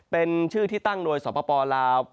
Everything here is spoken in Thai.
เป็นชื่อที่ตั้งโดยสปลาว